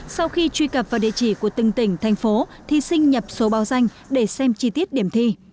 sau khi truy cập vào địa chỉ của từng tỉnh thành phố thí sinh nhập số báo danh để xem chi tiết điểm thi